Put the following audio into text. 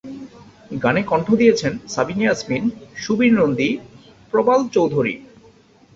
গানে কণ্ঠ দিয়েছেন সাবিনা ইয়াসমিন, সুবীর নন্দী, প্রবাল চৌধুরী।